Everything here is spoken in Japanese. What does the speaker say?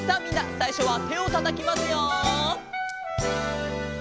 さいしょはてをたたきますよ。